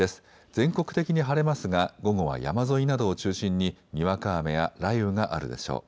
全国的に晴れますが午後は山沿いなどを中心ににわか雨や雷雨があるでしょう。